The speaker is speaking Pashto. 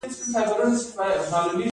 د انارو د تخم چینجی څنګه ورک کړم؟